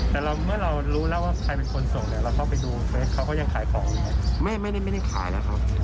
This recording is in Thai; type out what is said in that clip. แต่เมื่อเรารู้แล้วว่าใครเป็นคนส่งเราเข้าไปดูเฟซเขายังขายของ